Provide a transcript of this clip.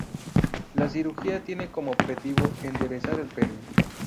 La cirugía tiene como objetivo enderezar el pene.